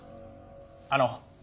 あの。